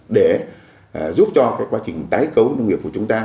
để giúp cho quá trình tái cấu nông nghiệp của chúng ta